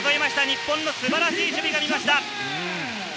日本の素晴らしい守備が見えました。